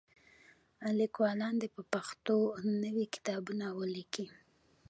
لیکوالان دې په پښتو نوي کتابونه ولیکي.